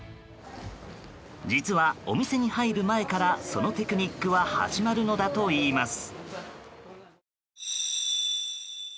実は、お店に入る前からそのテクニックは始まるのだといいます。